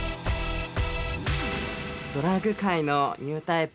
ドラァグ界のニュータイプ